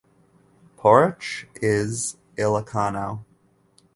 Poarch is Ilocano.